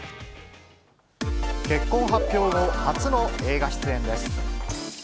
結婚発表後、初の映画出演です。